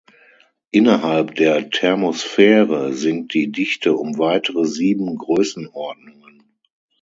Innerhalb der Thermosphäre sinkt die Dichte um weitere sieben Größenordnungen.